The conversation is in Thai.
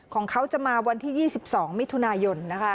ของเขาจะมาวันที่๒๒มิถุนายน